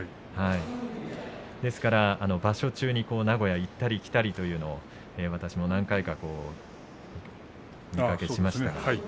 ですから場所中に名古屋と行ったり来たりというのも何回かお見かけしました。